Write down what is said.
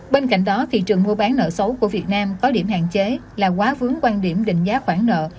bên cạnh đó thị trường mua bán nợ xấu của việt nam có điểm hạn chế là quá vướng quan điểm định giá khoản nợ